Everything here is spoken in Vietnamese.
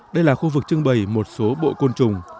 đây là khu vực trưng bày một số bộ côn trùng